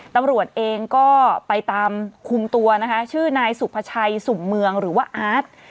ตำรวจเองก็ไปตามคุมตัวนะคะชื่อนายสุภาชัยสุ่มเมืองหรือว่าอาร์ต